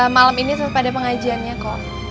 malem ini tetep ada pengajiannya kok